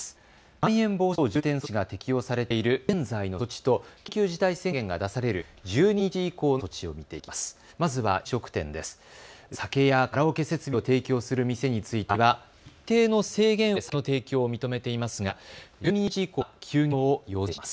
まん延防止等重点措置が適用されている現在の措置と緊急事態宣言が出される１２日以降の措置を見ていきます。